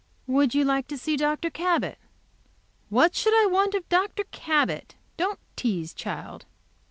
"Would you like to see Dr. Cabot?" "What should I want of Dr. Cabot? Don't tease, child."